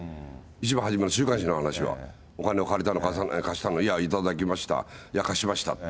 一番初めの週刊誌の話は、お金を借りたの、貸したの、いや、頂きました、いや、貸しましたって。